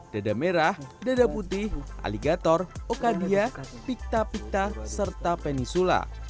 dada merah dada putih aligator okadia pita pita serta penisula